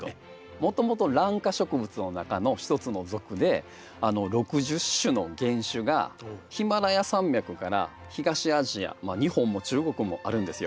もともとラン科植物の中のひとつの属で６０種の原種がヒマラヤ山脈から東アジア日本も中国もあるんですよ。